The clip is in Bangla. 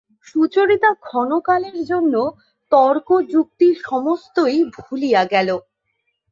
সুচরিতা ক্ষণকালের জন্য তর্কযুক্তি সমস্তই ভুলিয়া গেল।